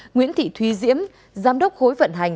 nguyễn thị thúy diễm giám đốc khối vận hành